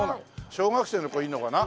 小学生の子いるのかな？